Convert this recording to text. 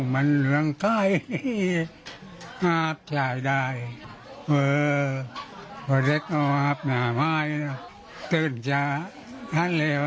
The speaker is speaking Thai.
ไม่ต้องใช้ออกซิเจนแล้ว